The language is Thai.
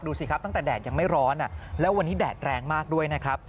สิครับตั้งแต่แดดยังไม่ร้อนแล้ววันนี้แดดแรงมากด้วยนะครับ